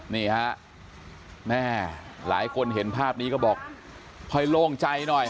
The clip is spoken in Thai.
นี่ฮะแม่หลายคนเห็นภาพนี้ก็บอกค่อยโล่งใจหน่อย